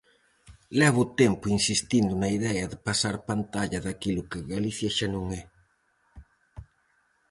Levo tempo insistindo na idea de pasar pantalla daquilo que Galicia xa non é.